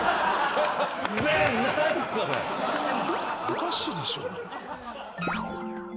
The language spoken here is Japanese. おかしいでしょ。